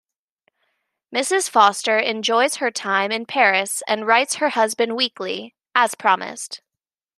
Mrs. Foster enjoys her time in Paris and writes her husband weekly, as promised.